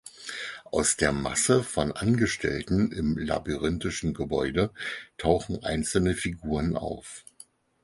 Aus der Masse von Angestellten im labyrinthischen Gebäude tauchen einzelne Figuren auf.